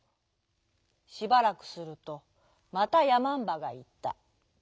しばらくするとまたやまんばがいった。